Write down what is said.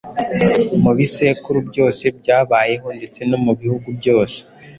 Mu bisekuru byose byabayeho ndetse no mu bihugu byose,